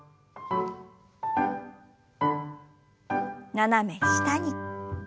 斜め下に。